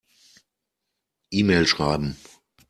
E-Mail schreiben.